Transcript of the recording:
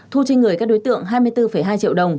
thu trên người các đối tượng hai mươi bốn hai triệu đồng